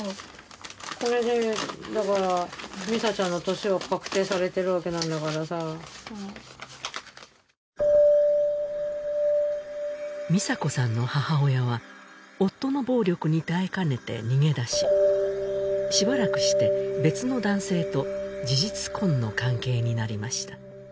これでだから美砂ちゃんの年を確定されてるわけなんだからさ美砂子さんの母親は夫の暴力に耐えかねて逃げ出ししばらくして別の男性と事実婚の関係になりました